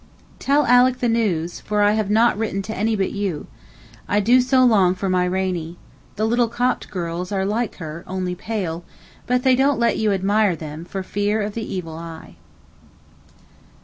Tell Alick the news, for I have not written to any but you. I do so long for my Rainie. The little Copt girls are like her, only pale; but they don't let you admire them for fear of the evil eye.